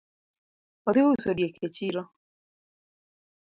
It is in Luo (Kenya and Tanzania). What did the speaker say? Odhi uso diek e chiro